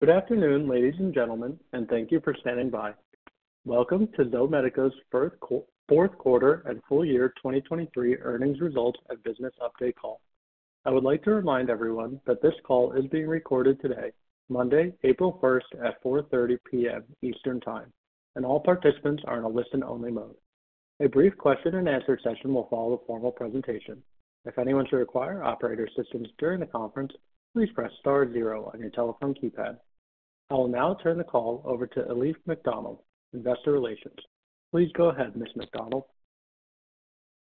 Good afternoon, ladies and gentlemen, and thank you for standing by. Welcome to Zomedica's fourth quarter and full year 2023 earnings results and business update call. I would like to remind everyone that this call is being recorded today, Monday, April 1, at 4:30 P.M. Eastern Time, and all participants are in a listen-only mode. A brief question-and-answer session will follow the formal presentation. If anyone should require operator assistance during the conference, please press star 0 on your telephone keypad. I will now turn the call over to Elise McDonald, investor relations. Please go ahead, Ms. McDonald.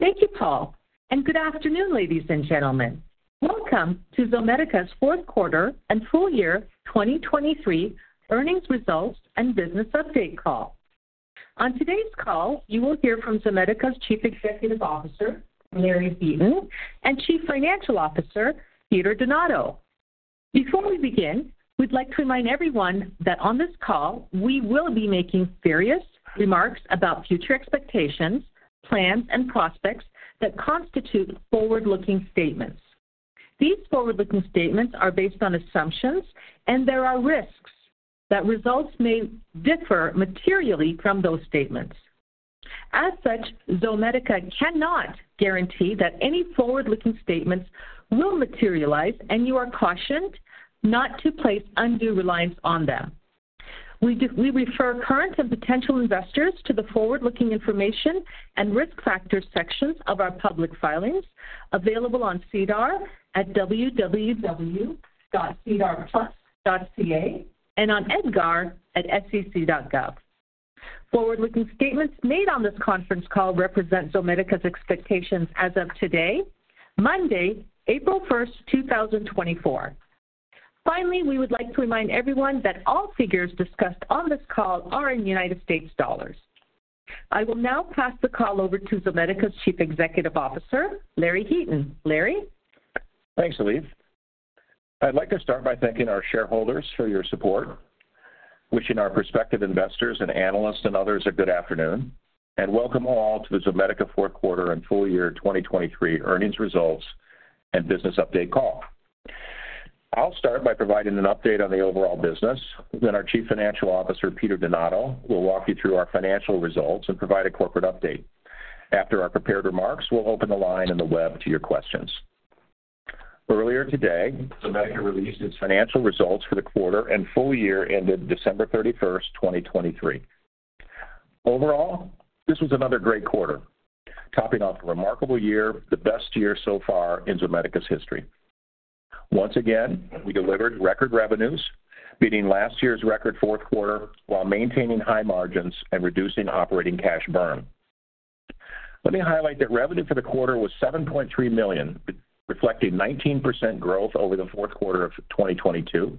Thank you, Paul, and good afternoon, ladies and gentlemen. Welcome to Zomedica's fourth quarter and full year 2023 earnings results and business update call. On today's call, you will hear from Zomedica's Chief Executive Officer, Larry Heaton, and Chief Financial Officer, Peter Donato. Before we begin, we'd like to remind everyone that on this call we will be making various remarks about future expectations, plans, and prospects that constitute forward-looking statements. These forward-looking statements are based on assumptions, and there are risks that results may differ materially from those statements. As such, Zomedica cannot guarantee that any forward-looking statements will materialize, and you are cautioned not to place undue reliance on them. We refer current and potential investors to the forward-looking information and risk factors sections of our public filings available on SEDAR at www.sedarplus.ca and on EDGAR at sec.gov. Forward-looking statements made on this conference call represent Zomedica's expectations as of today, Monday, April 1, 2024. Finally, we would like to remind everyone that all figures discussed on this call are in United States dollars. I will now pass the call over to Zomedica's Chief Executive Officer, Larry Heaton. Larry? Thanks, Elise. I'd like to start by thanking our shareholders for your support, wishing our prospective investors and analysts and others a good afternoon, and welcome all to the Zomedica fourth quarter and full year 2023 earnings results and business update call. I'll start by providing an update on the overall business. Then our Chief Financial Officer, Peter Donato, will walk you through our financial results and provide a corporate update. After our prepared remarks, we'll open the line and the web to your questions. Earlier today, Zomedica released its financial results for the quarter and full year ended December 31, 2023. Overall, this was another great quarter, topping off a remarkable year, the best year so far in Zomedica's history. Once again, we delivered record revenues, beating last year's record fourth quarter while maintaining high margins and reducing operating cash burn. Let me highlight that revenue for the quarter was $7.3 million, reflecting 19% growth over the fourth quarter of 2022,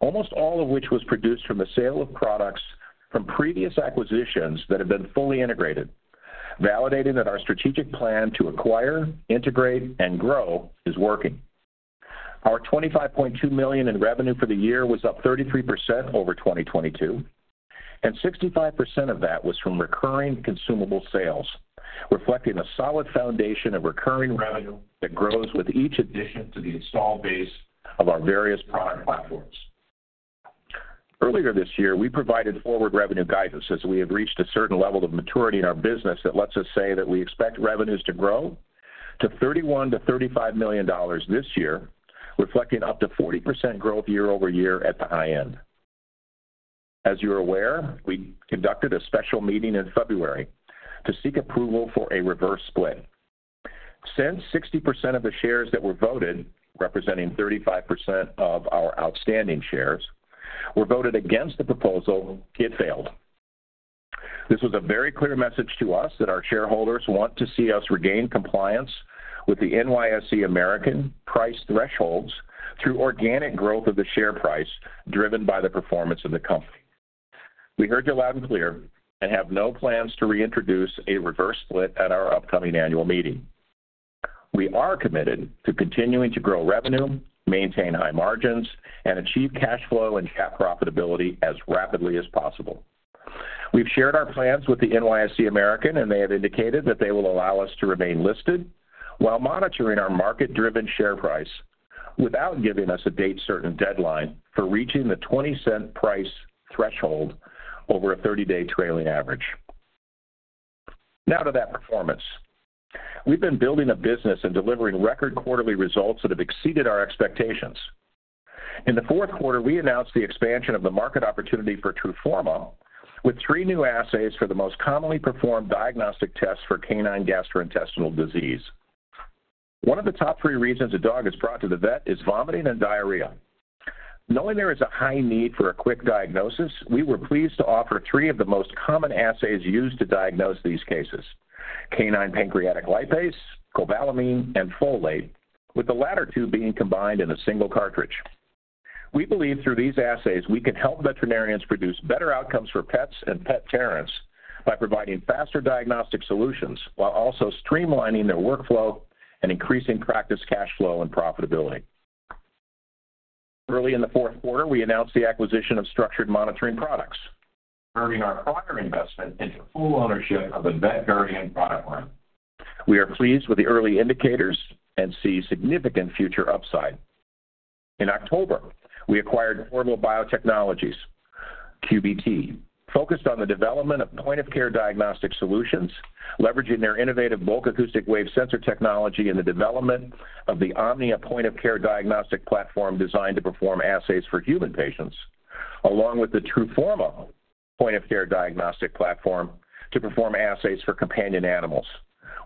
almost all of which was produced from the sale of products from previous acquisitions that have been fully integrated, validating that our strategic plan to acquire, integrate, and grow is working. Our $25.2 million in revenue for the year was up 33% over 2022, and 65% of that was from recurring consumable sales, reflecting a solid foundation of recurring revenue that grows with each addition to the installed base of our various product platforms. Earlier this year, we provided forward revenue guidance as we have reached a certain level of maturity in our business that lets us say that we expect revenues to grow to $31-$35 million this year, reflecting up to 40% growth year-over-year at the high end. As you're aware, we conducted a special meeting in February to seek approval for a reverse split. Since 60% of the shares that were voted, representing 35% of our outstanding shares, were voted against the proposal, it failed. This was a very clear message to us that our shareholders want to see us regain compliance with the NYSE American price thresholds through organic growth of the share price driven by the performance of the company. We heard you loud and clear and have no plans to reintroduce a reverse split at our upcoming annual meeting. We are committed to continuing to grow revenue, maintain high margins, and achieve cash flow and GAAP profitability as rapidly as possible. We've shared our plans with the NYSE American, and they have indicated that they will allow us to remain listed while monitoring our market-driven share price without giving us a date-certain deadline for reaching the $0.20 price threshold over a 30-day trailing average. Now to that performance. We've been building a business and delivering record quarterly results that have exceeded our expectations. In the fourth quarter, we announced the expansion of the market opportunity for TRUFORMA, with three new assays for the most commonly performed diagnostic test for canine gastrointestinal disease. One of the top three reasons a dog is brought to the vet is vomiting and diarrhea. Knowing there is a high need for a quick diagnosis, we were pleased to offer three of the most common assays used to diagnose these cases: canine pancreatic lipase, cobalamin, and folate, with the latter two being combined in a single cartridge. We believe through these assays, we can help veterinarians produce better outcomes for pets and pet parents by providing faster diagnostic solutions while also streamlining their workflow and increasing practice cash flow and profitability. Early in the fourth quarter, we announced the acquisition of Structured Monitoring Products, turning our prior investment into full ownership of a VetGuardian product line. We are pleased with the early indicators and see significant future upside. In October, we acquired Qorvo Biotechnologies, QBT, focused on the development of point-of-care diagnostic solutions, leveraging their innovative Bulk Acoustic Wave sensor technology in the development of the Omnia point-of-care diagnostic platform designed to perform assays for human patients, along with the TRUFORMA point-of-care diagnostic platform to perform assays for companion animals,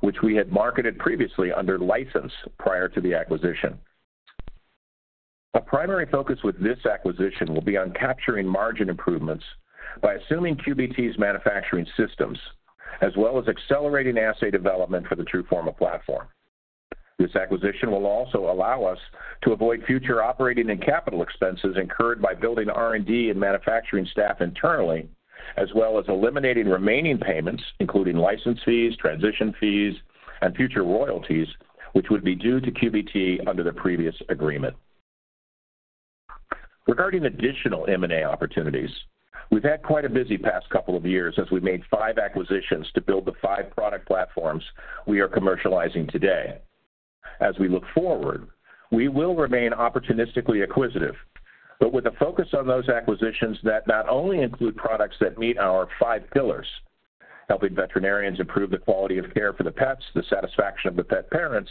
which we had marketed previously under license prior to the acquisition. A primary focus with this acquisition will be on capturing margin improvements by assuming QBT's manufacturing systems, as well as accelerating assay development for the TRUFORMA platform. This acquisition will also allow us to avoid future operating and capital expenses incurred by building R&D and manufacturing staff internally, as well as eliminating remaining payments, including license fees, transition fees, and future royalties, which would be due to QBT under the previous agreement. Regarding additional M&A opportunities, we've had quite a busy past couple of years as we made five acquisitions to build the five product platforms we are commercializing today. As we look forward, we will remain opportunistically acquisitive, but with a focus on those acquisitions that not only include products that meet our five pillars, helping veterinarians improve the quality of care for the pets, the satisfaction of the pet parents,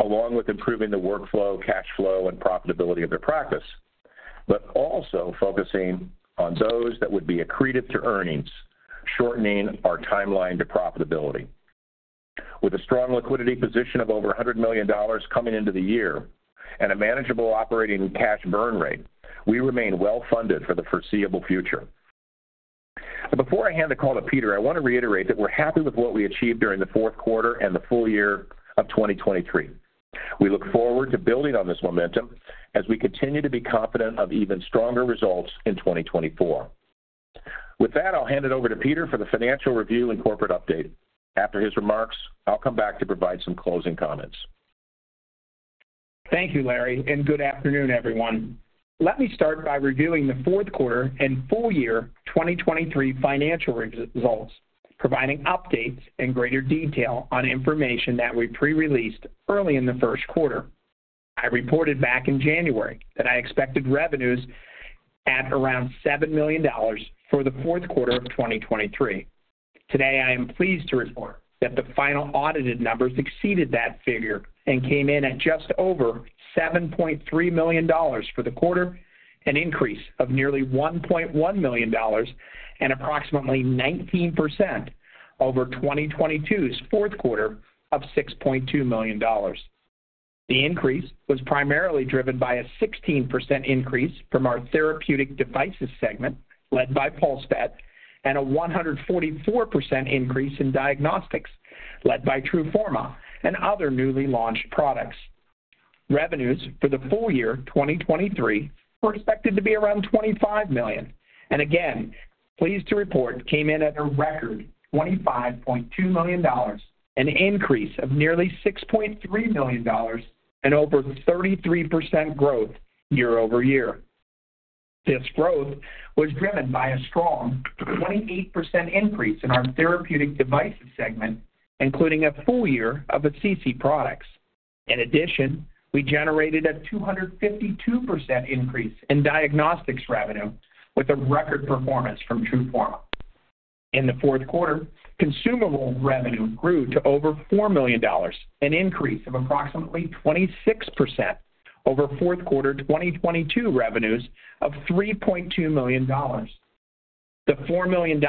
along with improving the workflow, cash flow, and profitability of their practice, but also focusing on those that would be accretive to earnings, shortening our timeline to profitability. With a strong liquidity position of over $100 million coming into the year and a manageable operating cash burn rate, we remain well-funded for the foreseeable future. Before I hand the call to Peter, I want to reiterate that we're happy with what we achieved during the fourth quarter and the full year of 2023. We look forward to building on this momentum as we continue to be confident of even stronger results in 2024. With that, I'll hand it over to Peter for the financial review and corporate update. After his remarks, I'll come back to provide some closing comments. Thank you, Larry, and good afternoon, everyone. Let me start by reviewing the fourth quarter and full year 2023 financial results, providing updates and greater detail on information that we pre-released early in the first quarter. I reported back in January that I expected revenues at around $7 million for the fourth quarter of 2023. Today, I am pleased to report that the final audited numbers exceeded that figure and came in at just over $7.3 million for the quarter, an increase of nearly $1.1 million and approximately 19% over 2022's fourth quarter of $6.2 million. The increase was primarily driven by a 16% increase from our therapeutic devices segment, led by PulseVet, and a 144% increase in diagnostics, led by TRUFORMA and other newly launched products. Revenues for the full year 2023 were expected to be around $25 million, and again, pleased to report, came in at a record $25.2 million, an increase of nearly $6.3 million and over 33% growth year-over-year. This growth was driven by a strong 28% increase in our therapeutic devices segment, including a full year of Assisi products. In addition, we generated a 252% increase in diagnostics revenue, with a record performance from TRUFORMA. In the fourth quarter, consumable revenue grew to over $4 million, an increase of approximately 26% over fourth quarter 2022 revenues of $3.2 million. The $4 million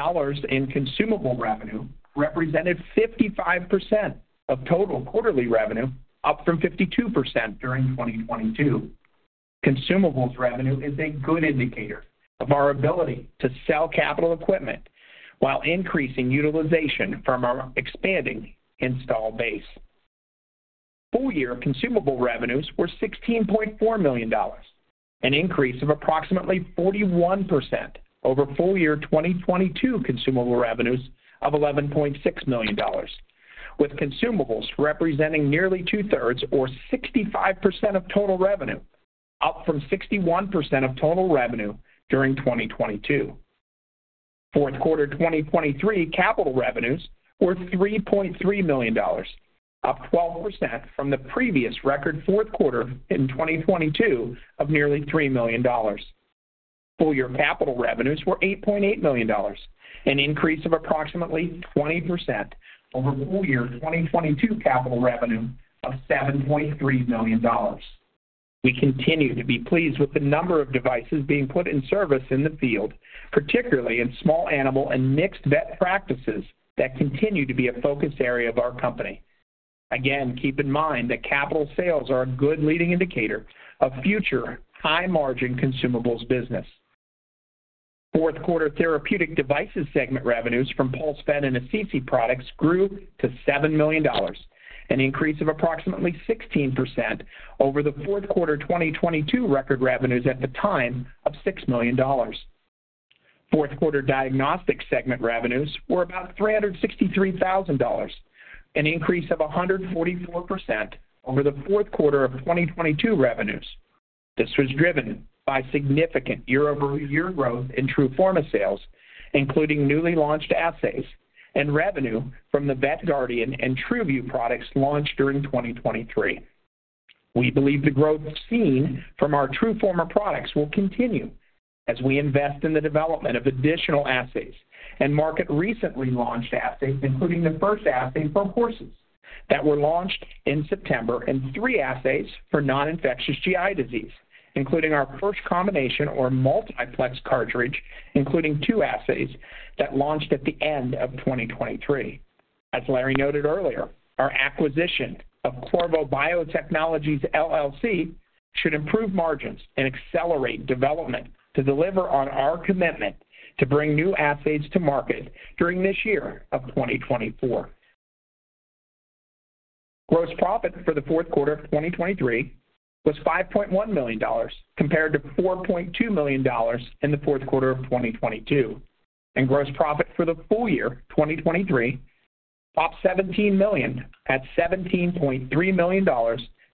in consumable revenue represented 55% of total quarterly revenue, up from 52% during 2022. Consumables revenue is a good indicator of our ability to sell capital equipment while increasing utilization from our expanding install base. Full year consumable revenues were $16.4 million, an increase of approximately 41% over full year 2022 consumable revenues of $11.6 million, with consumables representing nearly two-thirds, or 65%, of total revenue, up from 61% of total revenue during 2022. Fourth quarter 2023 capital revenues were $3.3 million, up 12% from the previous record fourth quarter in 2022 of nearly $3 million. Full year capital revenues were $8.8 million, an increase of approximately 20% over full year 2022 capital revenue of $7.3 million. We continue to be pleased with the number of devices being put in service in the field, particularly in small animal and mixed vet practices that continue to be a focus area of our company. Again, keep in mind that capital sales are a good leading indicator of future high-margin consumables business. Fourth quarter therapeutic devices segment revenues from PulseVet and Assisi products grew to $7 million, an increase of approximately 16% over the fourth quarter 2022 record revenues at the time of $6 million. Fourth quarter diagnostic segment revenues were about $363,000, an increase of 144% over the fourth quarter of 2022 revenues. This was driven by significant year-over-year growth in TRUFORMA sales, including newly launched assays, and revenue from the VetGuardian and TRUVIEW products launched during 2023. We believe the growth seen from our TRUFORMA products will continue as we invest in the development of additional assays and market recently launched assays, including the first assay for horses that were launched in September and three assays for non-infectious GI disease, including our first combination or multiplex cartridge, including two assays that launched at the end of 2023. As Larry noted earlier, our acquisition of Qorvo Biotechnologies, LLC, should improve margins and accelerate development to deliver on our commitment to bring new assays to market during this year of 2024. Gross profit for the fourth quarter of 2023 was $5.1 million compared to $4.2 million in the fourth quarter of 2022, and gross profit for the full year 2023 topped $17 million at $17.3 million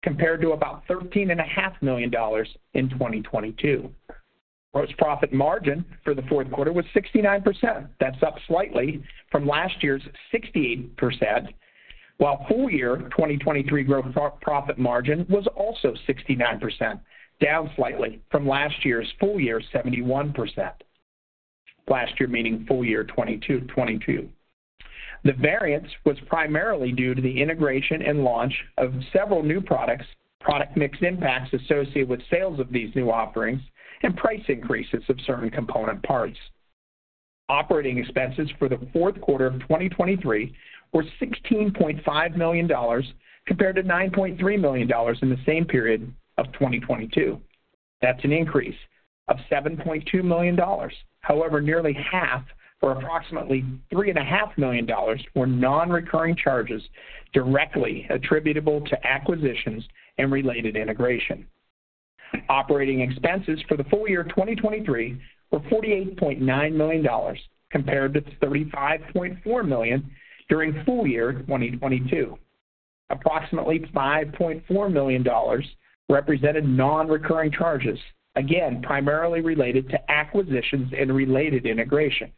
compared to about $13.5 million in 2022. Gross profit margin for the fourth quarter was 69%. That's up slightly from last year's 68%, while full year 2023 gross profit margin was also 69%, down slightly from last year's full year 71%, last year meaning full year 2022. The variance was primarily due to the integration and launch of several new products, product mix impacts associated with sales of these new offerings, and price increases of certain component parts. Operating expenses for the fourth quarter of 2023 were $16.5 million compared to $9.3 million in the same period of 2022. That's an increase of $7.2 million. However, nearly half, or approximately $3.5 million, were non-recurring charges directly attributable to acquisitions and related integration. Operating expenses for the full year 2023 were $48.9 million compared to $35.4 million during full year 2022. Approximately $5.4 million represented non-recurring charges, again primarily related to acquisitions and related integration.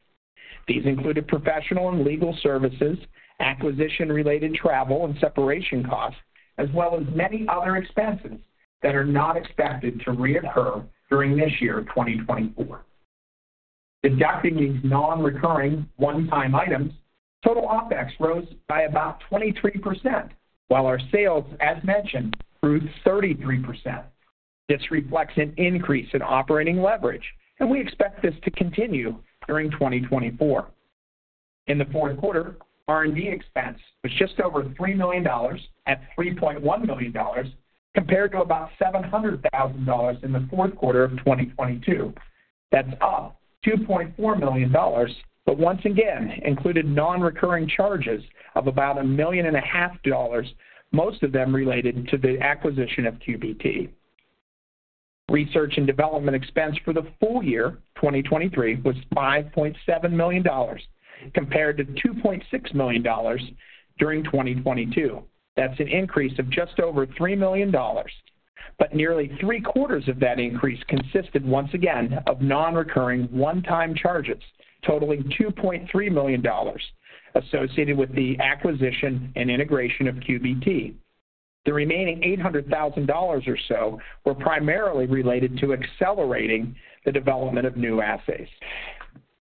These included professional and legal services, acquisition-related travel and separation costs, as well as many other expenses that are not expected to reoccur during this year 2024. Deducting these non-recurring one-time items, total OpEx rose by about 23%, while our sales, as mentioned, grew 33%. This reflects an increase in operating leverage, and we expect this to continue during 2024. In the fourth quarter, R&D expense was just over $3 million at $3.1 million compared to about $700,000 in the fourth quarter of 2022. That's up $2.4 million, but once again included non-recurring charges of about $1.5 million, most of them related to the acquisition of QBT. Research and development expense for the full year 2023 was $5.7 million compared to $2.6 million during 2022. That's an increase of just over $3 million, but nearly three-quarters of that increase consisted, once again, of non-recurring one-time charges, totaling $2.3 million associated with the acquisition and integration of QBT. The remaining $800,000 or so were primarily related to accelerating the development of new assays.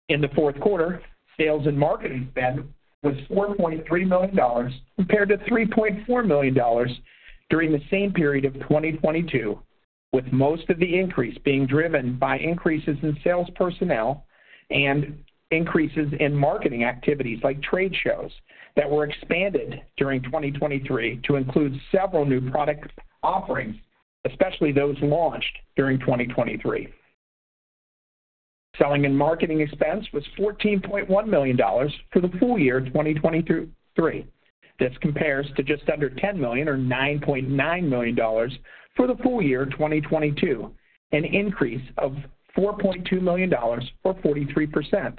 In the fourth quarter, sales and marketing spend was $4.3 million compared to $3.4 million during the same period of 2022, with most of the increase being driven by increases in sales personnel and increases in marketing activities like trade shows that were expanded during 2023 to include several new product offerings, especially those launched during 2023. Selling and marketing expense was $14.1 million for the full year 2023. This compares to just under $10 million, or $9.9 million, for the full year 2022, an increase of $4.2 million or 43%.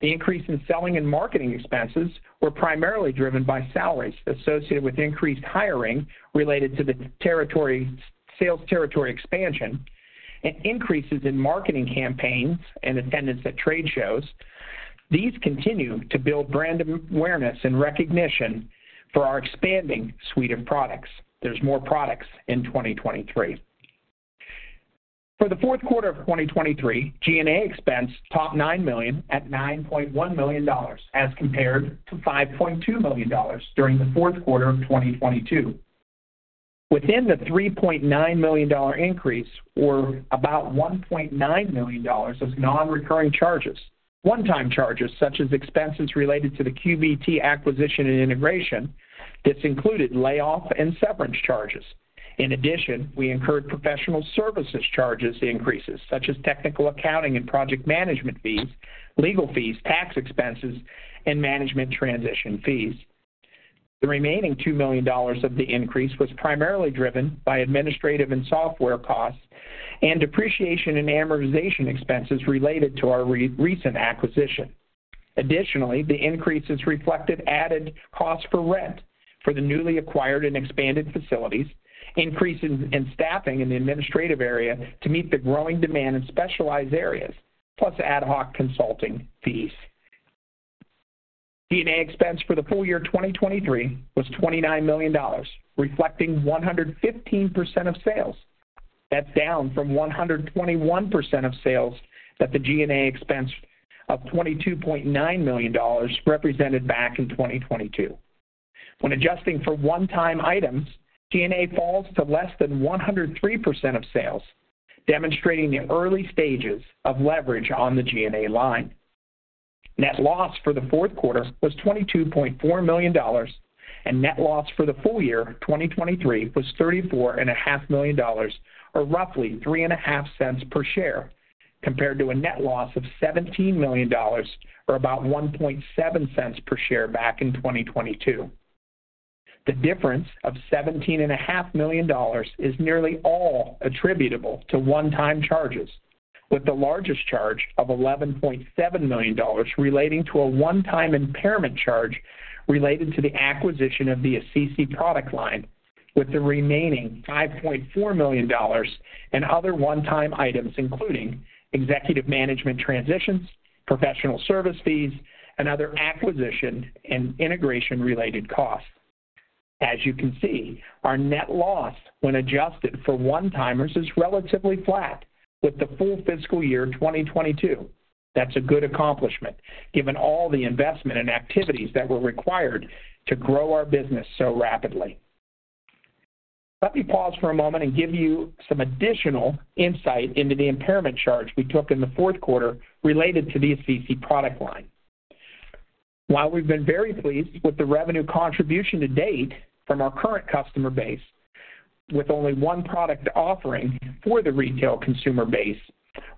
The increase in selling and marketing expenses was primarily driven by salaries associated with increased hiring related to the sales territory expansion and increases in marketing campaigns and attendance at trade shows. These continue to build brand awareness and recognition for our expanding suite of products. There's more products in 2023. For the fourth quarter of 2023, G&A expense topped $9 million at $9.1 million as compared to $5.2 million during the fourth quarter of 2022. Within the $3.9 million increase were about $1.9 million of non-recurring charges, one-time charges such as expenses related to the QBT acquisition and integration. This included layoff and severance charges. In addition, we incurred professional services charges increases such as technical accounting and project management fees, legal fees, tax expenses, and management transition fees. The remaining $2 million of the increase was primarily driven by administrative and software costs and depreciation and amortization expenses related to our recent acquisition. Additionally, the increases reflected added costs for rent for the newly acquired and expanded facilities, increases in staffing in the administrative area to meet the growing demand in specialized areas, plus ad hoc consulting fees. G&A expense for the full year 2023 was $29 million, reflecting 115% of sales. That's down from 121% of sales that the G&A expense of $22.9 million represented back in 2022. When adjusting for one-time items, G&A falls to less than 103% of sales, demonstrating the early stages of leverage on the G&A line. Net loss for the fourth quarter was $22.4 million, and net loss for the full year 2023 was $34.5 million, or roughly $0.03 per share compared to a net loss of $17 million or about $0.01 per share back in 2022. The difference of $17.5 million is nearly all attributable to one-time charges, with the largest charge of $11.7 million relating to a one-time impairment charge related to the acquisition of the Assisi product line, with the remaining $5.4 million and other one-time items, including executive management transitions, professional service fees, and other acquisition and integration-related costs. As you can see, our net loss when adjusted for one-timers is relatively flat with the full fiscal year 2022. That's a good accomplishment given all the investment and activities that were required to grow our business so rapidly. Let me pause for a moment and give you some additional insight into the impairment charge we took in the fourth quarter related to the Assisi product line. While we've been very pleased with the revenue contribution to date from our current customer base, with only one product offering for the retail consumer base,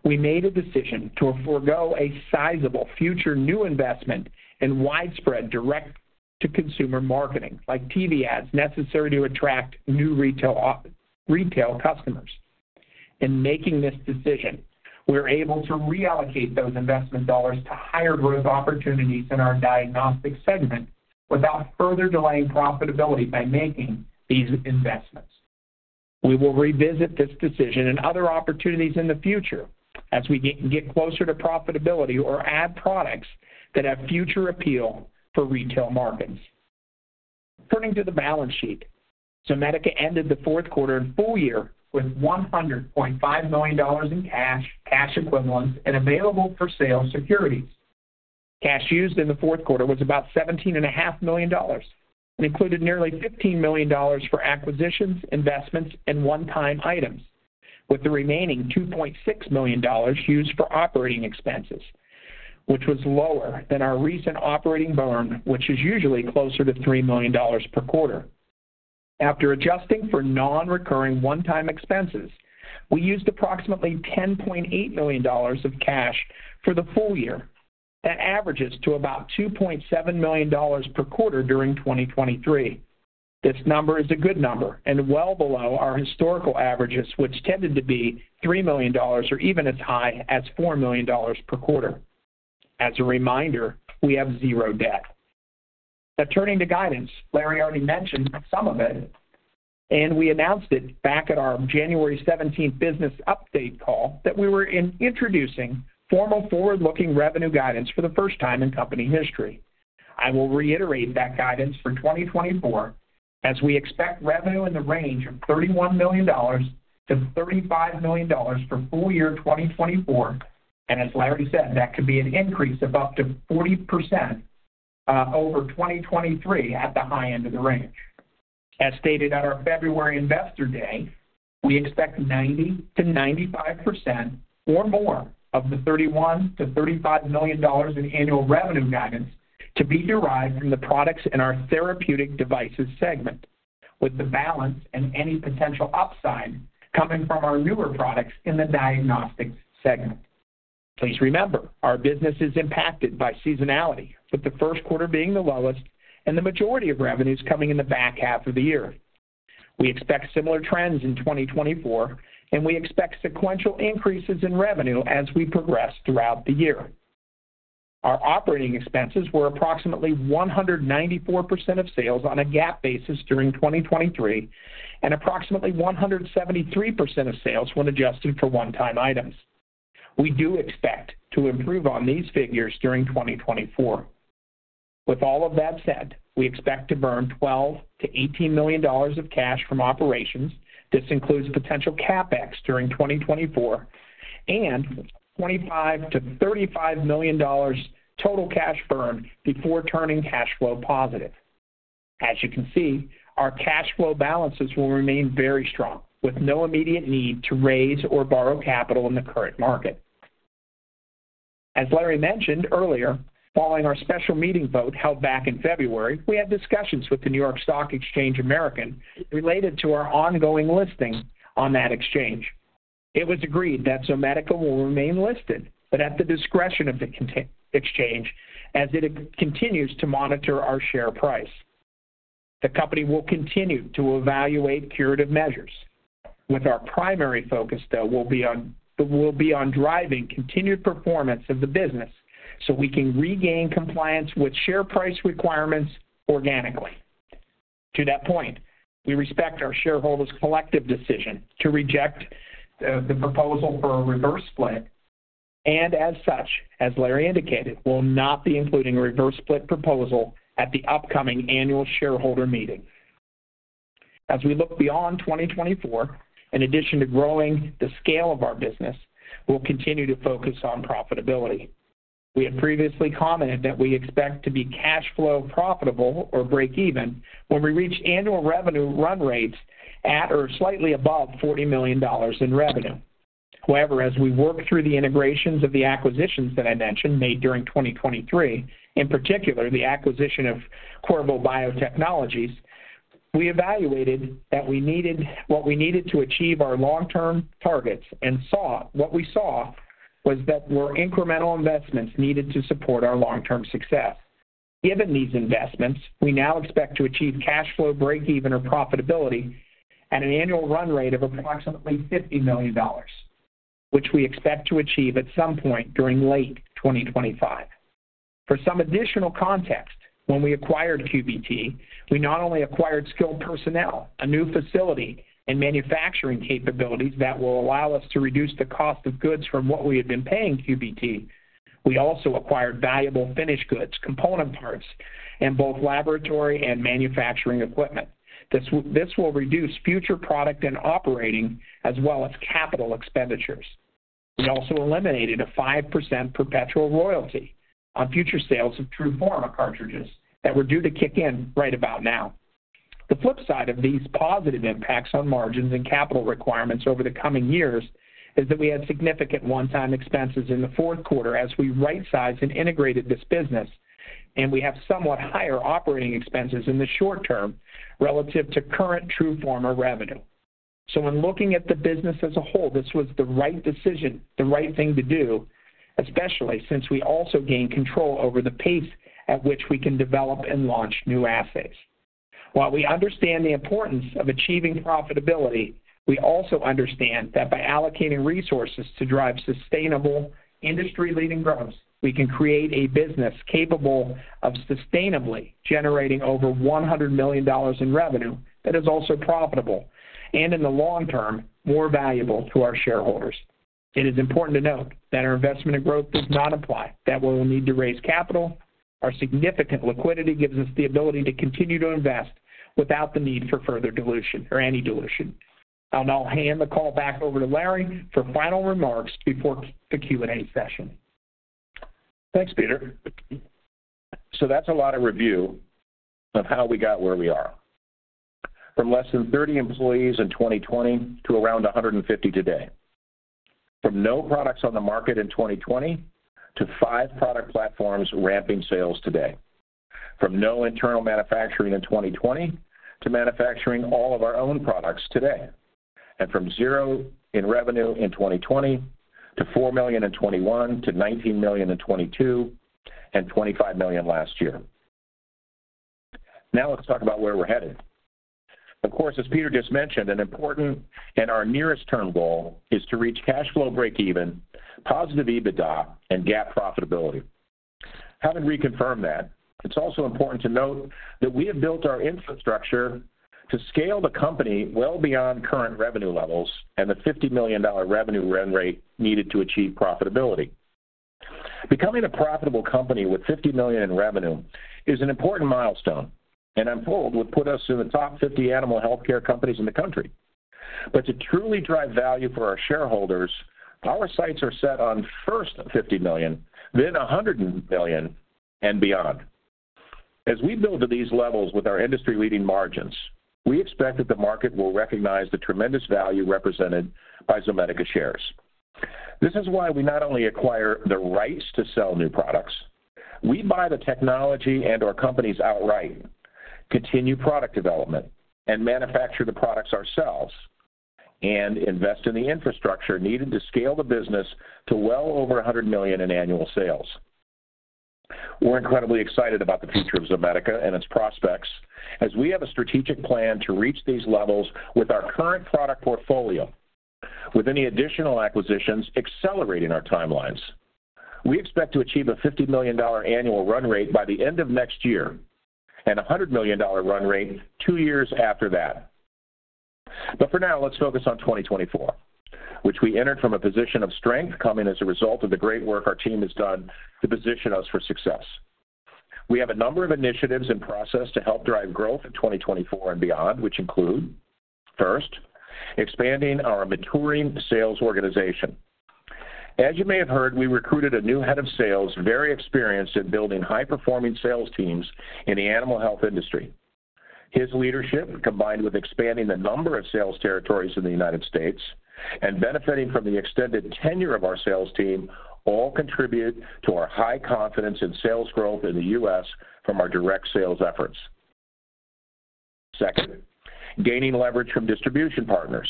we made a decision to forgo a sizable future new investment in widespread direct-to-consumer marketing like TV ads necessary to attract new retail customers. In making this decision, we're able to reallocate those investment dollars to higher growth opportunities in our diagnostic segment without further delaying profitability by making these investments. We will revisit this decision and other opportunities in the future as we get closer to profitability or add products that have future appeal for retail markets. Turning to the balance sheet, Zomedica ended the fourth quarter and full year with $100.5 million in cash, cash equivalents, and available-for-sale securities. Cash used in the fourth quarter was about $17.5 million and included nearly $15 million for acquisitions, investments, and one-time items, with the remaining $2.6 million used for operating expenses, which was lower than our recent operating burn, which is usually closer to $3 million per quarter. After adjusting for non-recurring one-time expenses, we used approximately $10.8 million of cash for the full year. That averages to about $2.7 million per quarter during 2023. This number is a good number and well below our historical averages, which tended to be $3 million or even as high as $4 million per quarter. As a reminder, we have zero debt. Now, turning to guidance, Larry already mentioned some of it, and we announced it back at our January 17th business update call that we were introducing formal forward-looking revenue guidance for the first time in company history. I will reiterate that guidance for 2024 as we expect revenue in the range of $31 million-$35 million for full year 2024. As Larry said, that could be an increase of up to 40% over 2023 at the high end of the range. As stated at our February Investor Day, we expect 90%-95% or more of the $31-$35 million in annual revenue guidance to be derived from the products in our therapeutic devices segment, with the balance and any potential upside coming from our newer products in the diagnostics segment. Please remember, our business is impacted by seasonality, with the first quarter being the lowest and the majority of revenues coming in the back half of the year. We expect similar trends in 2024, and we expect sequential increases in revenue as we progress throughout the year. Our operating expenses were approximately 194% of sales on a GAAP basis during 2023 and approximately 173% of sales when adjusted for one-time items. We do expect to improve on these figures during 2024. With all of that said, we expect to burn $12-$18 million of cash from operations. This includes potential CapEx during 2024 and $25-$35 million total cash burn before turning cash flow positive. As you can see, our cash flow balances will remain very strong, with no immediate need to raise or borrow capital in the current market. As Larry mentioned earlier, following our special meeting vote held back in February, we had discussions with the NYSE American related to our ongoing listing on that exchange. It was agreed that Zomedica will remain listed, but at the discretion of the exchange as it continues to monitor our share price. The company will continue to evaluate curative measures. With our primary focus, though, will be on driving continued performance of the business so we can regain compliance with share price requirements organically. To that point, we respect our shareholders' collective decision to reject the proposal for a reverse split, and as such, as Larry indicated, will not be including a reverse split proposal at the upcoming annual shareholder meeting. As we look beyond 2024, in addition to growing the scale of our business, we'll continue to focus on profitability. We had previously commented that we expect to be cash flow profitable or break even when we reach annual revenue run rates at or slightly above $40 million in revenue. However, as we work through the integrations of the acquisitions that I mentioned made during 2023, in particular the acquisition of Qorvo Biotechnologies, we evaluated that we needed what we needed to achieve our long-term targets and saw what we saw was that were incremental investments needed to support our long-term success. Given these investments, we now expect to achieve cash flow break even or profitability at an annual run rate of approximately $50 million, which we expect to achieve at some point during late 2025. For some additional context, when we acquired QBT, we not only acquired skilled personnel, a new facility, and manufacturing capabilities that will allow us to reduce the cost of goods from what we had been paying QBT. We also acquired valuable finished goods, component parts, and both laboratory and manufacturing equipment. This will reduce future product and operating as well as capital expenditures. We also eliminated a 5% perpetual royalty on future sales of TRUFORMA cartridges that were due to kick in right about now. The flip side of these positive impacts on margins and capital requirements over the coming years is that we had significant one-time expenses in the fourth quarter as we right-sized and integrated this business, and we have somewhat higher operating expenses in the short term relative to current TRUFORMA revenue. So when looking at the business as a whole, this was the right decision, the right thing to do, especially since we also gained control over the pace at which we can develop and launch new assays. While we understand the importance of achieving profitability, we also understand that by allocating resources to drive sustainable industry-leading growth, we can create a business capable of sustainably generating over $100 million in revenue that is also profitable and, in the long term, more valuable to our shareholders. It is important to note that our investment in growth does not imply that we'll need to raise capital. Our significant liquidity gives us the ability to continue to invest without the need for further dilution or any dilution. And I'll hand the call back over to Larry for final remarks before the Q&A session. Thanks, Peter. So that's a lot of review of how we got where we are. From less than 30 employees in 2020 to around 150 today. From no products on the market in 2020 to five product platforms ramping sales today. From no internal manufacturing in 2020 to manufacturing all of our own products today. From zero in revenue in 2020 to $4 million in 2021 to $19 million in 2022 and $25 million last year. Now let's talk about where we're headed. Of course, as Peter just mentioned, an important and our nearest-term goal is to reach cash flow break even, positive EBITDA, and GAAP profitability. Having reconfirmed that, it's also important to note that we have built our infrastructure to scale the company well beyond current revenue levels and the $50 million revenue run rate needed to achieve profitability. Becoming a profitable company with $50 million in revenue is an important milestone, and I'm told would put us in the top 50 animal healthcare companies in the country. But to truly drive value for our shareholders, our sights are set on first $50 million, then $100 million, and beyond. As we build to these levels with our industry-leading margins, we expect that the market will recognize the tremendous value represented by Zomedica shares. This is why we not only acquire the rights to sell new products, we buy the technology and/or companies outright, continue product development, and manufacture the products ourselves, and invest in the infrastructure needed to scale the business to well over $100 million in annual sales. We're incredibly excited about the future of Zomedica and its prospects as we have a strategic plan to reach these levels with our current product portfolio, with any additional acquisitions accelerating our timelines. We expect to achieve a $50 million annual run rate by the end of next year and a $100 million run rate two years after that. But for now, let's focus on 2024, which we entered from a position of strength coming as a result of the great work our team has done to position us for success. We have a number of initiatives in process to help drive growth in 2024 and beyond, which include, first, expanding our maturing sales organization. As you may have heard, we recruited a new head of sales very experienced in building high-performing sales teams in the animal health industry. His leadership, combined with expanding the number of sales territories in the United States and benefiting from the extended tenure of our sales team, all contribute to our high confidence in sales growth in the U.S. from our direct sales efforts. Second, gaining leverage from distribution partners.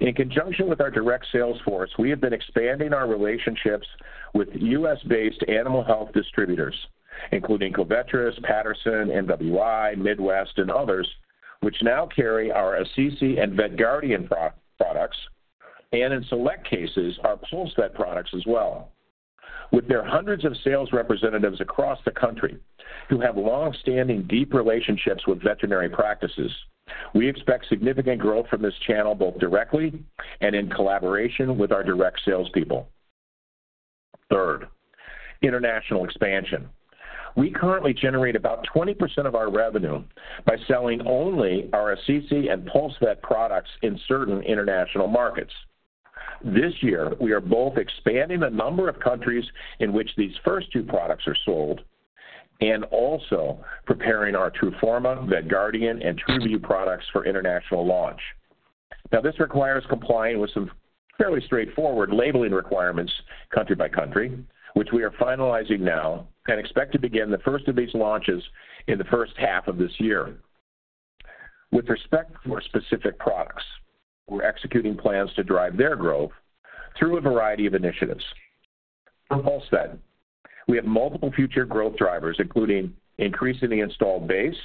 In conjunction with our direct sales force, we have been expanding our relationships with U.S.-based animal health distributors, including Covetrus, Patterson, MWI, Midwest, and others, which now carry our Assisi and VetGuardian products, and in select cases, our PulseVet products as well. With their hundreds of sales representatives across the country who have longstanding, deep relationships with veterinary practices, we expect significant growth from this channel both directly and in collaboration with our direct salespeople. Third, international expansion. We currently generate about 20% of our revenue by selling only our Assisi and PulseVet products in certain international markets. This year, we are both expanding the number of countries in which these first two products are sold and also preparing our TRUFORMA, VetGuardian, and TRUVIEW products for international launch. Now, this requires complying with some fairly straightforward labeling requirements country by country, which we are finalizing now and expect to begin the first of these launches in the first half of this year. With respect to our specific products, we're executing plans to drive their growth through a variety of initiatives. For PulseVet, we have multiple future growth drivers, including increasing the installed base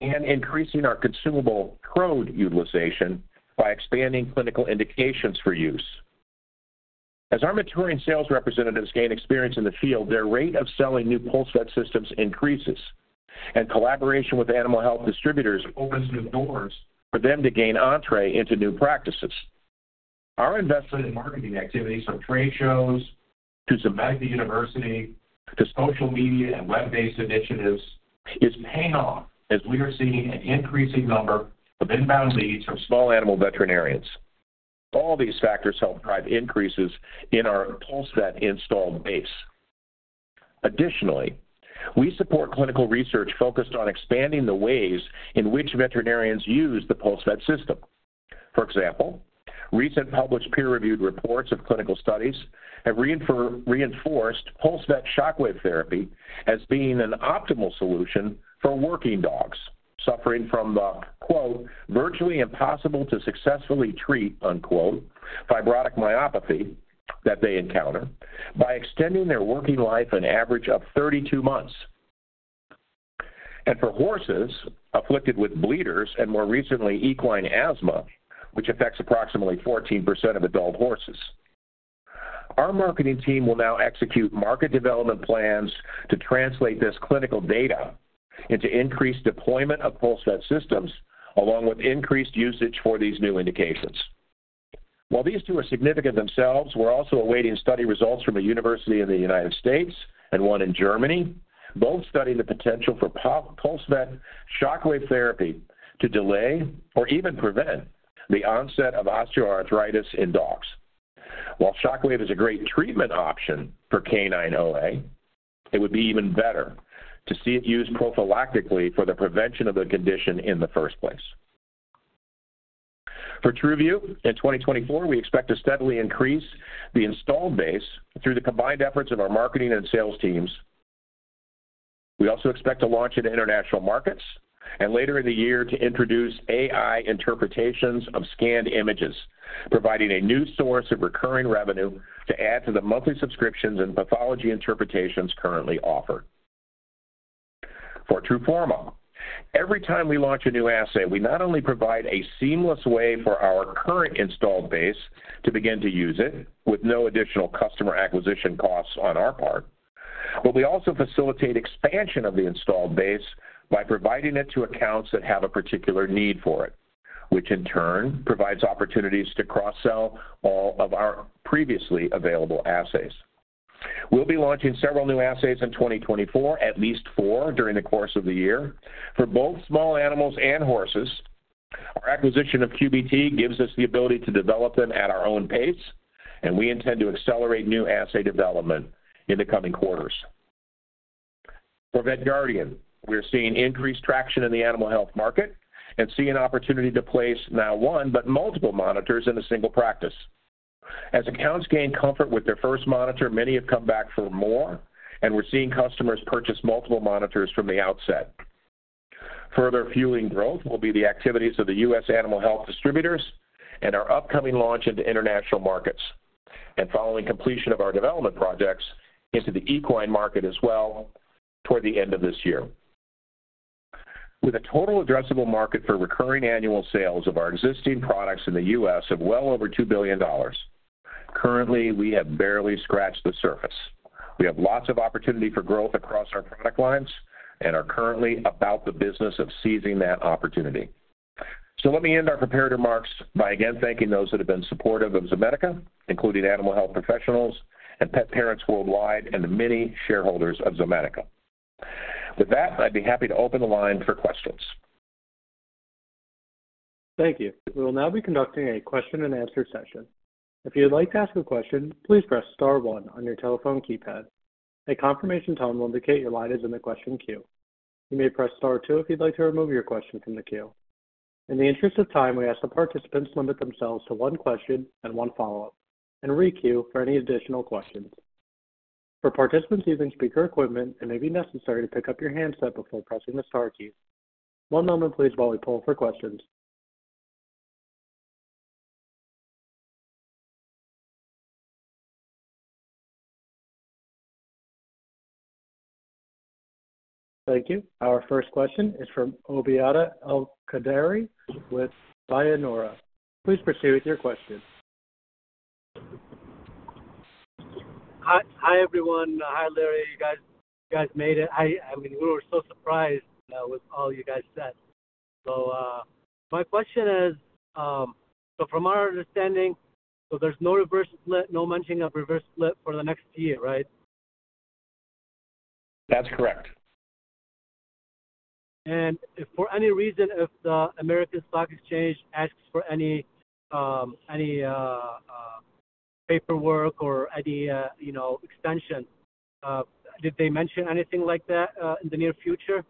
and increasing our consumable probe utilization by expanding clinical indications for use. As our maturing sales representatives gain experience in the field, their rate of selling new PulseVet systems increases, and collaboration with animal health distributors opens new doors for them to gain entrée into new practices. Our investment in marketing activities, from trade shows to Zomedica University to social media and web-based initiatives, is paying off as we are seeing an increasing number of inbound leads from small animal veterinarians. All these factors help drive increases in our PulseVet installed base. Additionally, we support clinical research focused on expanding the ways in which veterinarians use the PulseVet system. For example, recent published peer-reviewed reports of clinical studies have reinforced PulseVet shockwave therapy as being an optimal solution for working dogs suffering from the "virtually impossible to successfully treat" fibrotic myopathy that they encounter by extending their working life an average of 32 months. For horses afflicted with bleeders and, more recently, equine asthma, which affects approximately 14% of adult horses, our marketing team will now execute market development plans to translate this clinical data into increased deployment of PulseVet systems along with increased usage for these new indications. While these two are significant themselves, we're also awaiting study results from a university in the United States and one in Germany, both studying the potential for PulseVet shockwave therapy to delay or even prevent the onset of osteoarthritis in dogs. While shockwave is a great treatment option for canine OA, it would be even better to see it used prophylactically for the prevention of the condition in the first place. For TRUVIEW, in 2024, we expect to steadily increase the installed base through the combined efforts of our marketing and sales teams. We also expect to launch it in international markets and, later in the year, to introduce AI interpretations of scanned images, providing a new source of recurring revenue to add to the monthly subscriptions and pathology interpretations currently offered. For TRUFORMA, every time we launch a new assay, we not only provide a seamless way for our current installed base to begin to use it with no additional customer acquisition costs on our part, but we also facilitate expansion of the installed base by providing it to accounts that have a particular need for it, which in turn provides opportunities to cross-sell all of our previously available assays. We'll be launching several new assays in 2024, at least four during the course of the year. For both small animals and horses, our acquisition of QBT gives us the ability to develop them at our own pace, and we intend to accelerate new assay development in the coming quarters. For VetGuardian, we're seeing increased traction in the animal health market and see an opportunity to place now one, but multiple monitors in a single practice. As accounts gain comfort with their first monitor, many have come back for more, and we're seeing customers purchase multiple monitors from the outset. Further fueling growth will be the activities of the U.S. animal health distributors and our upcoming launch into international markets and following completion of our development projects into the equine market as well toward the end of this year. With a total addressable market for recurring annual sales of our existing products in the U.S. of well over $2 billion, currently, we have barely scratched the surface. We have lots of opportunity for growth across our product lines and are currently about the business of seizing that opportunity. So let me end our preparatory remarks by again thanking those that have been supportive of Zomedica, including animal health professionals and pet parents worldwide and the many shareholders of Zomedica. With that, I'd be happy to open the line for questions. Thank you. We will now be conducting a question-and-answer session. If you would like to ask a question, please press star 1 on your telephone keypad. A confirmation tone will indicate your line is in the question queue. You may press star 2 if you'd like to remove your question from the queue. In the interest of time, we ask the participants to limit themselves to one question and one follow-up and re-queue for any additional questions. For participants using speaker equipment, it may be necessary to pick up your handset before pressing the star key. One moment, please, while we pull for questions. Thank you. Our first question is from Obaida El-Kaderi with Bayanora. Please proceed with your question. Hi, everyone. Hi, Larry. You guys made it. I mean, we were so surprised with all you guys said. My question is, from our understanding, there's no mention of reverse split for the next year, right? That's correct. For any reason, if the American Stock Exchange asks for any paperwork or any extension, did they mention anything like that in the near future?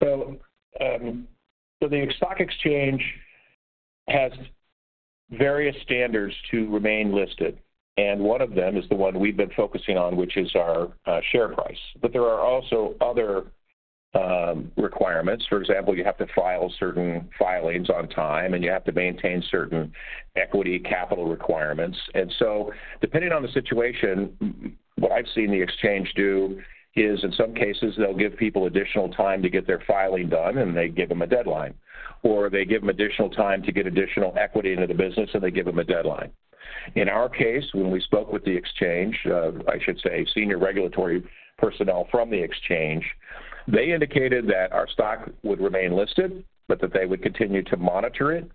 The Stock Exchange has various standards to remain listed, and one of them is the one we've been focusing on, which is our share price. But there are also other requirements. For example, you have to file certain filings on time, and you have to maintain certain equity capital requirements. Depending on the situation, what I've seen the exchange do is, in some cases, they'll give people additional time to get their filing done, and they give them a deadline. Or they give them additional time to get additional equity into the business, and they give them a deadline. In our case, when we spoke with the exchange, I should say senior regulatory personnel from the exchange, they indicated that our stock would remain listed but that they would continue to monitor it.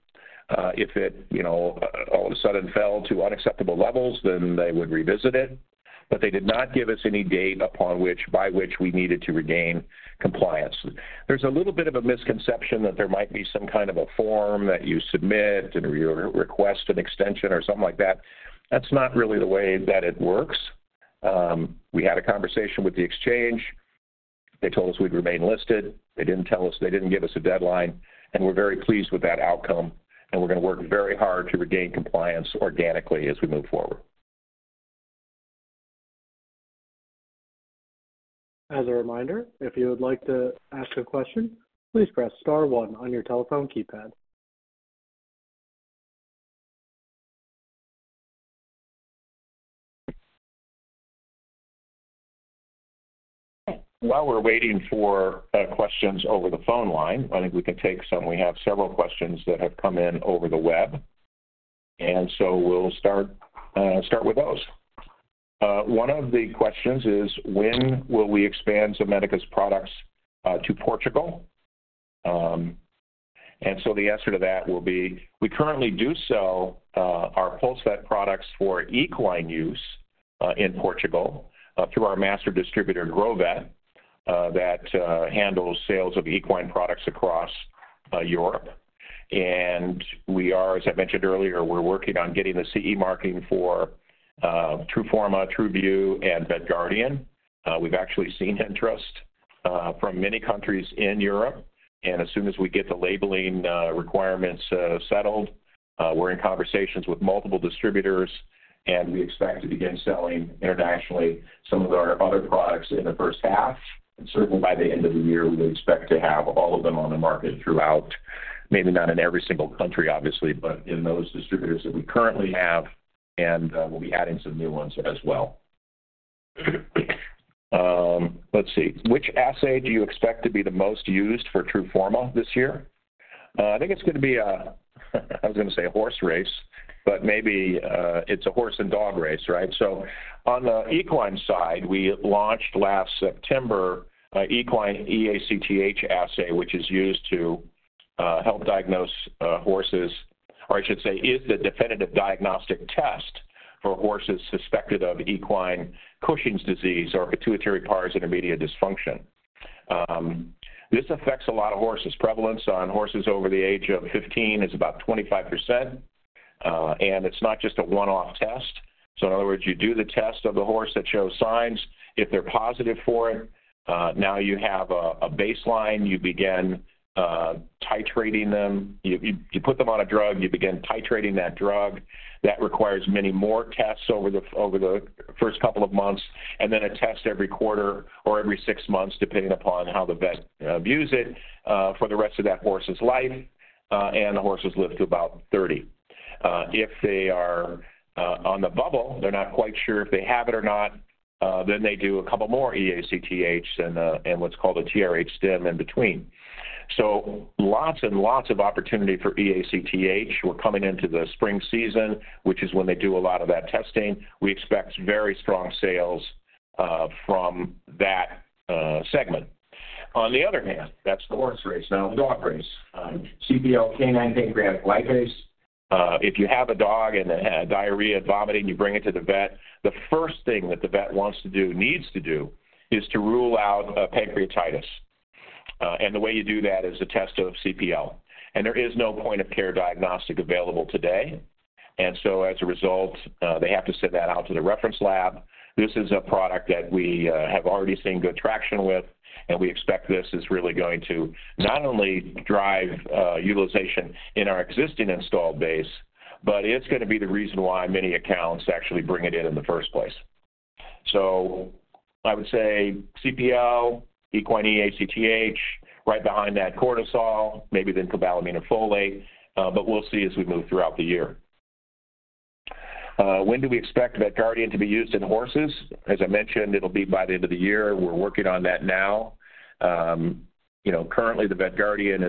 If it all of a sudden fell to unacceptable levels, then they would revisit it. But they did not give us any date by which we needed to regain compliance. There's a little bit of a misconception that there might be some kind of a form that you submit and request an extension or something like that. That's not really the way that it works. We had a conversation with the exchange. They told us we'd remain listed. They didn't give us a deadline. We're very pleased with that outcome, and we're going to work very hard to regain compliance organically as we move forward. As a reminder, if you would like to ask a question, please press star 1 on your telephone keypad. While we're waiting for questions over the phone line, I think we can take some. We have several questions that have come in over the web, and so we'll start with those. One of the questions is, "When will we expand Zomedica's products to Portugal?" And so the answer to that will be, we currently do sell our PulseVet products for equine use in Portugal through our master distributor, Grovet, that handles sales of equine products across Europe. And as I mentioned earlier, we're working on getting the CE marking for TRUFORMA, TRUVIEW, and VetGuardian. We've actually seen interest from many countries in Europe. And as soon as we get the labeling requirements settled, we're in conversations with multiple distributors, and we expect to begin selling internationally some of our other products in the first half. And certainly, by the end of the year, we would expect to have all of them on the market throughout, maybe not in every single country, obviously, but in those distributors that we currently have, and we'll be adding some new ones as well. Let's see. Which assay do you expect to be the most used for TRUFORMA this year? I think it's going to be a horse race, but maybe it's a horse and dog race, right? On the equine side, we launched last September an equine eACTH assay, which is used to help diagnose horses or, I should say, is the definitive diagnostic test for horses suspected of equine Cushing's disease or pituitary pars intermedia dysfunction. This affects a lot of horses. Prevalence on horses over the age of 15 is about 25%, and it's not just a one-off test. So in other words, you do the test of the horse that shows signs. If they're positive for it, now you have a baseline. You begin titrating them. You put them on a drug. You begin titrating that drug. That requires many more tests over the first couple of months and then a test every quarter or every six months, depending upon how the vet views it, for the rest of that horse's life. And the horses live to about 30. If they are on the bubble, they're not quite sure if they have it or not, then they do a couple more eACTH and what's called a TRH stim in between. So lots and lots of opportunity for eACTH. We're coming into the spring season, which is when they do a lot of that testing. We expect very strong sales from that segment. On the other hand, that's the horse race. Now, the dog race, cPL canine pancreatic lipase. If you have a dog and they have diarrhea, vomiting, you bring it to the vet, the first thing that the vet wants to do, needs to do, is to rule out pancreatitis. And the way you do that is a test of cPL. And there is no point-of-care diagnostic available today. And so as a result, they have to send that out to the reference lab. This is a product that we have already seen good traction with, and we expect this is really going to not only drive utilization in our existing installed base, but it's going to be the reason why many accounts actually bring it in in the first place. So I would say cPL, equine eACTH, right behind that cortisol, maybe then cobalamin and folate, but we'll see as we move throughout the year. When do we expect VetGuardian to be used in horses? As I mentioned, it'll be by the end of the year. We're working on that now. Currently, the VetGuardian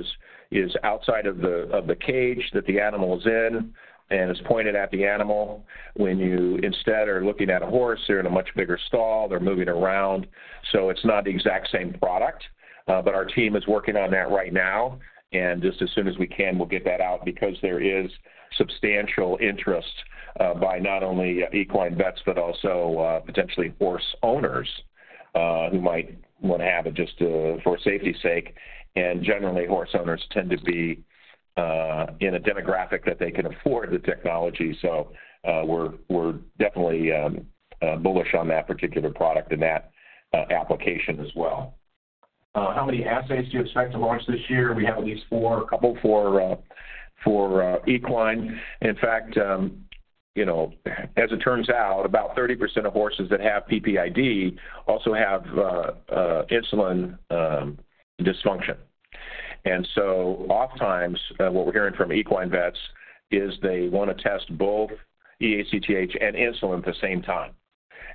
is outside of the cage that the animal is in and is pointed at the animal. When you instead are looking at a horse, they're in a much bigger stall. They're moving around. So it's not the exact same product, but our team is working on that right now. Just as soon as we can, we'll get that out because there is substantial interest by not only equine vets but also potentially horse owners who might want to have it just for safety's sake. Generally, horse owners tend to be in a demographic that they can afford the technology. We're definitely bullish on that particular product and that application as well. How many assays do you expect to launch this year? We have at least 4. A couple for equine. In fact, as it turns out, about 30% of horses that have PPID also have insulin dysfunction. And so oftentimes, what we're hearing from equine vets is they want to test both eACTH and insulin at the same time.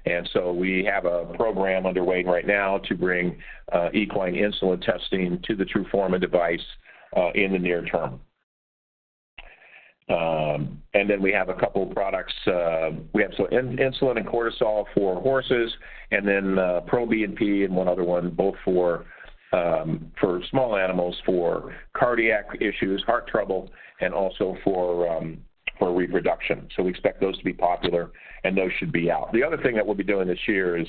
And so we have a program underway right now to bring equine insulin testing to the TRUFORMA device in the near term. And then we have a couple products. We have insulin and cortisol for horses and then proBNP and one other one, both for small animals for cardiac issues, heart trouble, and also for reproduction. So we expect those to be popular, and those should be out. The other thing that we'll be doing this year is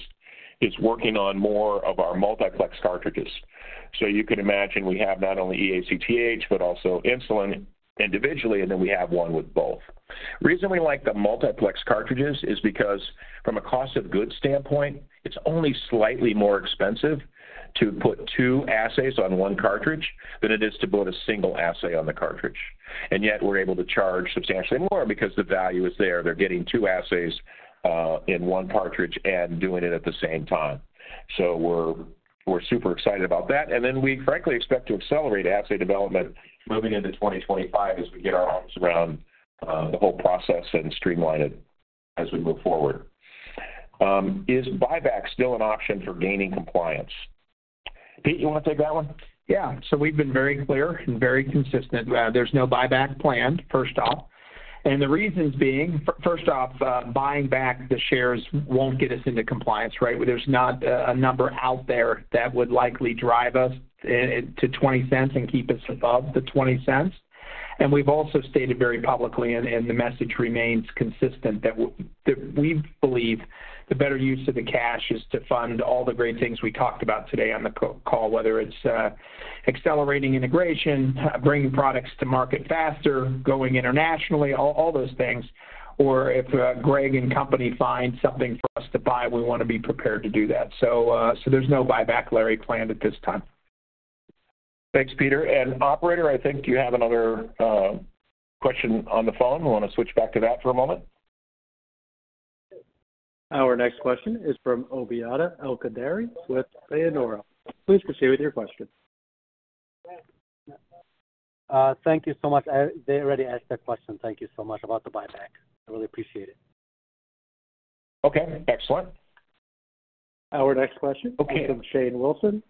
working on more of our multiplex cartridges. So you can imagine we have not only eACTH but also insulin individually, and then we have one with both. The reason we like the multiplex cartridges is because, from a cost-of-goods standpoint, it's only slightly more expensive to put two assays on one cartridge than it is to put a single assay on the cartridge. And yet, we're able to charge substantially more because the value is there. They're getting two assays in one cartridge and doing it at the same time. So we're super excited about that. And then we, frankly, expect to accelerate assay development moving into 2025 as we get our arms around the whole process and streamline it as we move forward. Is buyback still an option for gaining compliance? Pete, you want to take that one? Yeah. So we've been very clear and very consistent. There's no buyback planned, first off. And the reasons being, first off, buying back the shares won't get us into compliance, right? There's not a number out there that would likely drive us to $0.20 and keep us above the $0.20. And we've also stated very publicly, and the message remains consistent, that we believe the better use of the cash is to fund all the great things we talked about today on the call, whether it's accelerating integration, bringing products to market faster, going internationally, all those things. Or if Greg and company find something for us to buy, we want to be prepared to do that. So there's no buyback, Larry, planned at this time. Thanks, Peter. And operator, I think you have another question on the phone. We want to switch back to that for a moment. Our next question is from Obaida El-Kaderi with Bayanora. Please proceed with your question. Thank you so much. They already asked that question. Thank you so much about the buyback. I really appreciate it. Okay. Excellent. Our next question is from Shane Wilson.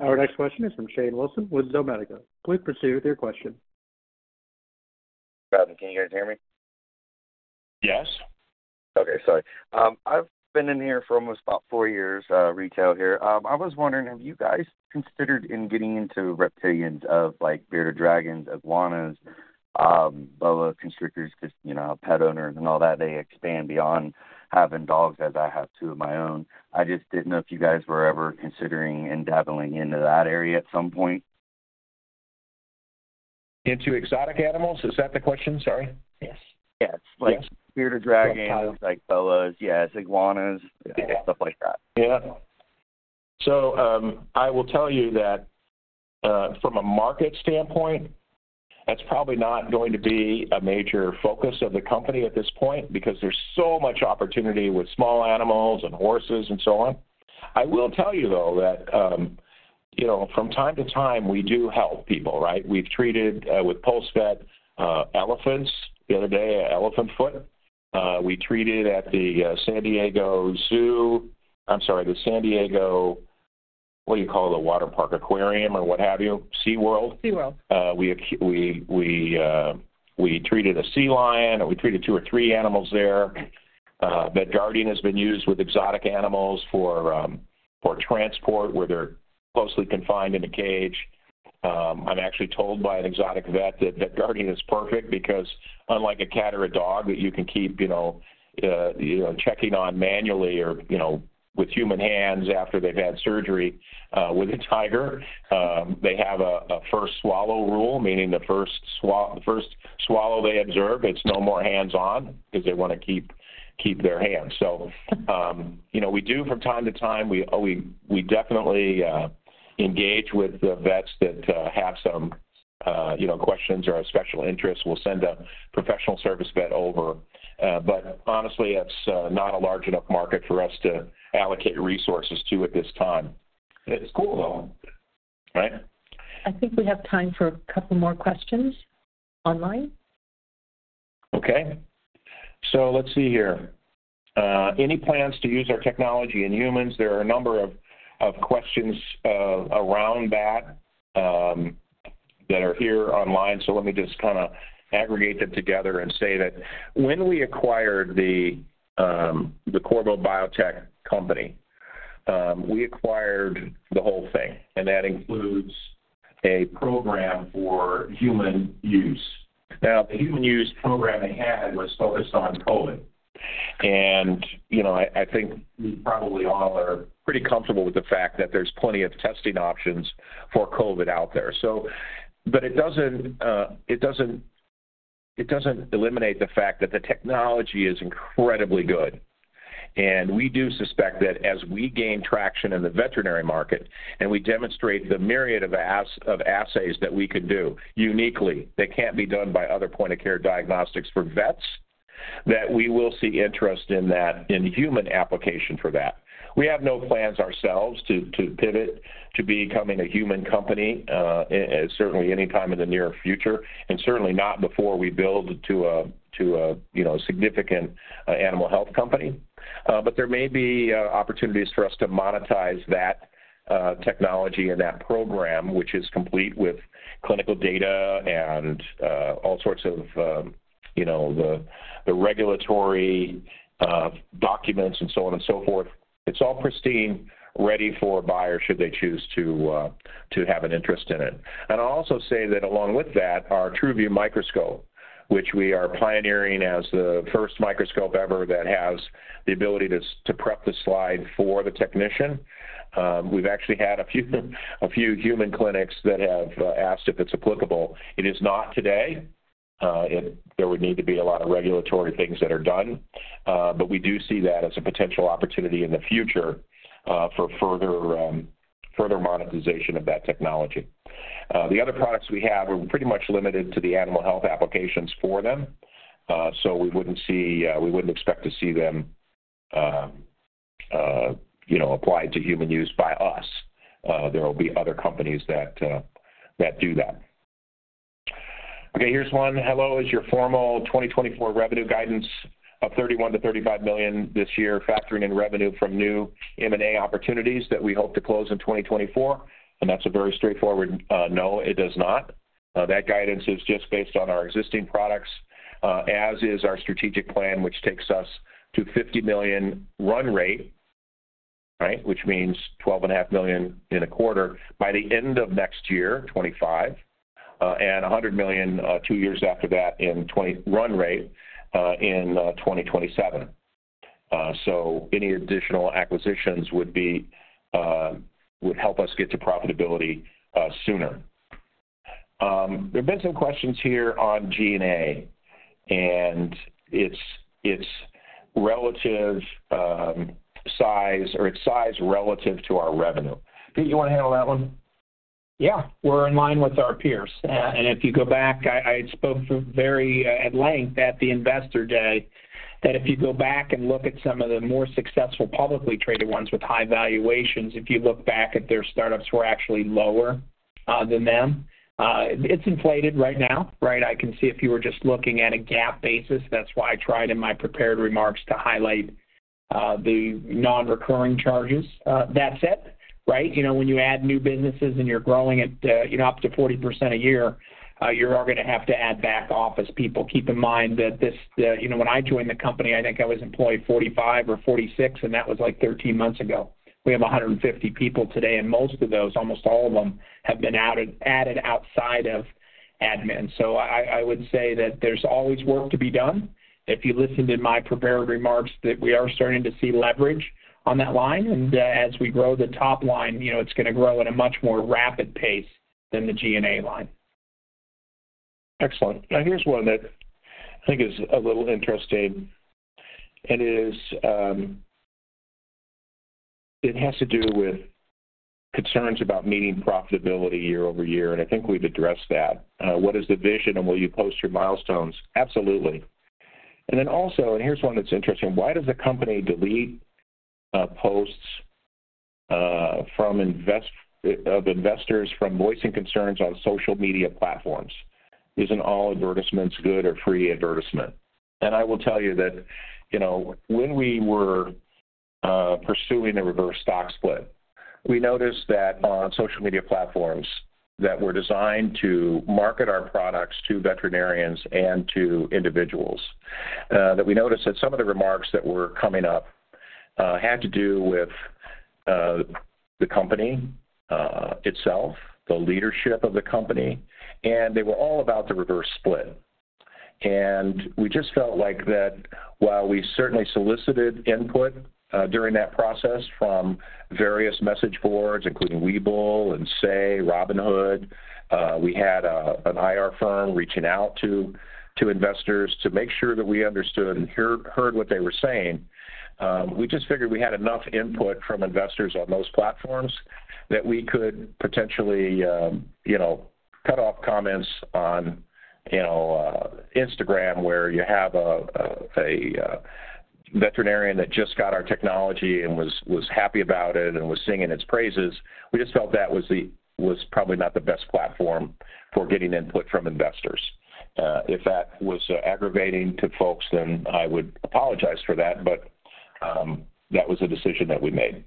Our next question is from Shane Wilson. Please proceed with your question. Robin, can you guys hear me? Yes. Okay. Sorry. I've been in here for almost about four years, retail here. I was wondering, have you guys considered getting into reptiles like bearded dragons, iguanas, boa constrictors? Because pet owners and all that, they expand beyond having dogs, as I have two of my own. I just didn't know if you guys were ever considering endeavoring into that area at some point. Into exotic animals? Is that the question? Sorry. Yes. Yes. Bearded dragons, iguanas. Yeah. Iguanas. Stuff like that. Yep. So I will tell you that from a market standpoint, that's probably not going to be a major focus of the company at this point because there's so much opportunity with small animals and horses and so on. I will tell you, though, that from time to time, we do help people, right? We've treated with PulseVet elephants the other day, elephant foot. We treated at the San Diego Zoo. I'm sorry, the San Diego what do you call the waterpark aquarium or what have you? SeaWorld? SeaWorld. We treated a sea lion. We treated two or three animals there. VetGuardian has been used with exotic animals for transport where they're closely confined in a cage. I'm actually told by an exotic vet that VetGuardian is perfect because, unlike a cat or a dog that you can keep checking on manually or with human hands after they've had surgery with a tiger, they have a first swallow rule, meaning the first swallow they observe, it's no more hands-on because they want to keep their hands. So we do, from time to time, we definitely engage with vets that have some questions or a special interest. We'll send a professional service vet over. But honestly, it's not a large enough market for us to allocate resources to at this time. It's cool, though, right? I think we have time for a couple more questions online. Okay. So let's see here. Any plans to use our technology in humans? There are a number of questions around that that are here online. So let me just kind of aggregate them together and say that when we acquired the Qorvo Biotechnologies company, we acquired the whole thing. And that includes a program for human use. Now, the human use program they had was focused on COVID. And I think we probably all are pretty comfortable with the fact that there's plenty of testing options for COVID out there. But it doesn't eliminate the fact that the technology is incredibly good. And we do suspect that as we gain traction in the veterinary market and we demonstrate the myriad of assays that we could do uniquely that can't be done by other point-of-care diagnostics for vets, that we will see interest in human application for that. We have no plans ourselves to pivot to becoming a human company, certainly anytime in the near future, and certainly not before we build to a significant animal health company. But there may be opportunities for us to monetize that technology and that program, which is complete with clinical data and all sorts of the regulatory documents and so on and so forth. It's all pristine, ready for buyers should they choose to have an interest in it. And I'll also say that along with that, our TRUVIEW microscope, which we are pioneering as the first microscope ever that has the ability to prep the slide for the technician. We've actually had a few human clinics that have asked if it's applicable. It is not today. There would need to be a lot of regulatory things that are done. But we do see that as a potential opportunity in the future for further monetization of that technology. The other products we have, we're pretty much limited to the animal health applications for them. So we wouldn't expect to see them applied to human use by us. There will be other companies that do that. Okay. Here's one. Hello. Is your formal 2024 revenue guidance of $31 million-$35 million this year factoring in revenue from new M&A opportunities that we hope to close in 2024? And that's a very straightforward no. It does not. That guidance is just based on our existing products, as is our strategic plan, which takes us to $50 million run rate, right, which means $12.5 million in a quarter by the end of next year, 2025, and $100 million two years after that in run rate in 2027. So any additional acquisitions would help us get to profitability sooner. There have been some questions here on G&A. And it's relative size or it's size relative to our revenue. Pete, you want to handle that one? Yeah. We're in line with our peers. And if you go back, I spoke very at length at the Investor Day that if you go back and look at some of the more successful publicly traded ones with high valuations, if you look back at their startups were actually lower than them, it's inflated right now, right? I can see if you were just looking at a G&A basis. That's why I tried in my prepared remarks to highlight the non-recurring charges. That's it, right? When you add new businesses and you're growing it up to 40% a year, you're going to have to add back office people. Keep in mind that when I joined the company, I think I was employed 45 or 46, and that was like 13 months ago. We have 150 people today. Most of those, almost all of them, have been added outside of admin. So I would say that there's always work to be done. If you listened in my prepared remarks, that we are starting to see leverage on that line. As we grow the top line, it's going to grow at a much more rapid pace than the G&A line. Excellent. Now, here's one that I think is a little interesting. It has to do with concerns about meeting profitability year-over-year. I think we've addressed that. What is the vision, and will you post your milestones? Absolutely. Then also and here's one that's interesting. Why does the company delete posts of investors from voicing concerns on social media platforms? Isn't all advertisements good or free advertisement? I will tell you that when we were pursuing a reverse stock split, we noticed that on social media platforms that were designed to market our products to veterinarians and to individuals, that we noticed that some of the remarks that were coming up had to do with the company itself, the leadership of the company. They were all about the reverse split. We just felt like that while we certainly solicited input during that process from various message boards, including Webull and, say, Robinhood, we had an IR firm reaching out to investors to make sure that we understood and heard what they were saying. We just figured we had enough input from investors on those platforms that we could potentially cut off comments on Instagram where you have a veterinarian that just got our technology and was happy about it and was singing its praises. We just felt that was probably not the best platform for getting input from investors. If that was aggravating to folks, then I would apologize for that. That was a decision that we made.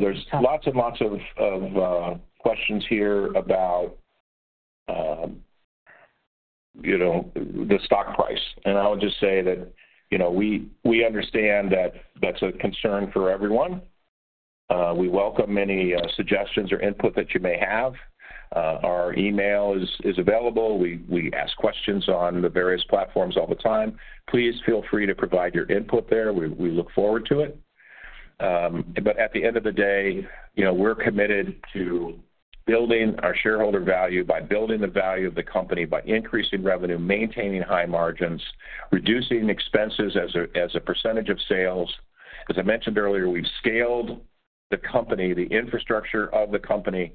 There's lots and lots of questions here about the stock price. I would just say that we understand that that's a concern for everyone. We welcome any suggestions or input that you may have. Our email is available. We ask questions on the various platforms all the time. Please feel free to provide your input there. We look forward to it. But at the end of the day, we're committed to building our shareholder value by building the value of the company, by increasing revenue, maintaining high margins, reducing expenses as a percentage of sales. As I mentioned earlier, we've scaled the company, the infrastructure of the company,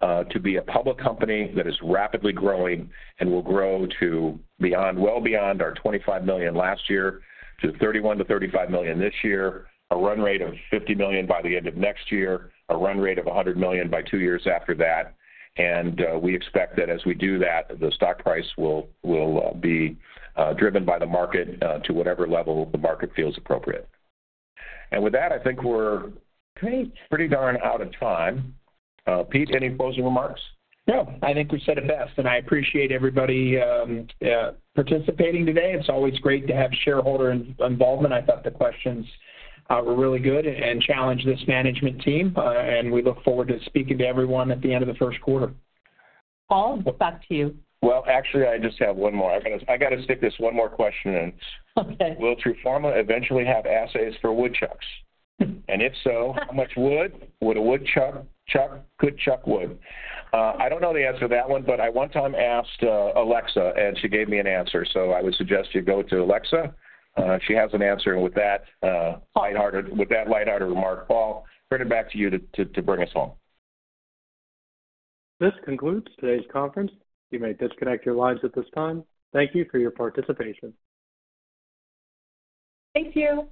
to be a public company that is rapidly growing and will grow well beyond our $25 million last year to $31 million-$35 million this year, a run rate of $50 million by the end of next year, a run rate of $100 million by two years after that. And we expect that as we do that, the stock price will be driven by the market to whatever level the market feels appropriate. And with that, I think we're pretty darn out of time. Pete, any closing remarks? No. I think we've said it best. And I appreciate everybody participating today. It's always great to have shareholder involvement. I thought the questions were really good and challenged this management team. And we look forward to speaking to everyone at the end of the first quarter. Paul, back to you. Well, actually, I just have one more. I got to stick this one more question in. Will TRUFORMA eventually have assays for woodchucks? And if so, how much wood would a woodchuck could chuck wood? I don't know the answer to that one. But I one time asked Alexa, and she gave me an answer. I would suggest you go to Alexa. She has an answer. With that lighthearted remark, Paul, turn it back to you to bring us home. This concludes today's conference. You may disconnect your lines at this time. Thank you for your participation. Thank you.